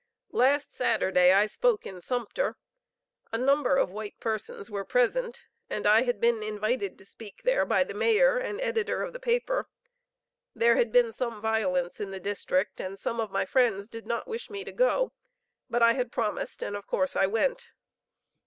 *Last Saturday I spoke in Sumter; a number of white persons were present, and I had been invited to speak there by the Mayor and editor of the paper. There had been some violence in the district, and some of my friends did not wish me to go, but I had promised, and, of course, I went.